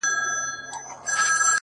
• رنگ په رنگ خوږې میوې او خوراکونه,